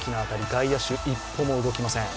外野手、一歩も動きません。